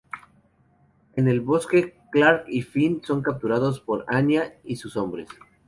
En el bosque, Clarke y Finn son capturados por Anya y sus hombres.